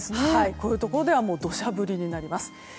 そういうところでは土砂降りになりますね。